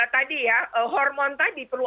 tadi ya hormon tadi perlu